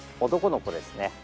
男の子ですね。